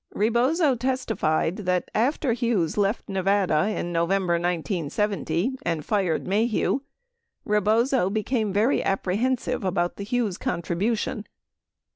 12 Rebozo testified that after Hughes left Nevada in November 1970, and fired Maheu, Rebozo became very apprehensive about the Hughes contribution.